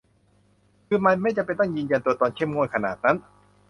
คือมันไม่จำเป็นต้องยืนยันตัวตนเข้มงวดขนาดนั้น